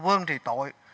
vương thì tội